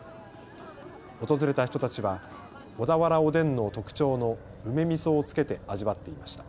訪れた人たちは小田原おでんの特徴の梅みそをつけて味わっていました。